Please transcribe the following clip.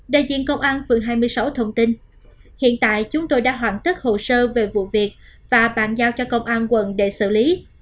đại diện công an phường hai mươi sáu thông tin hiện tại chúng tôi đã hoàn tất hồ sơ về vụ việc và bàn giao cho công an quận để xử lý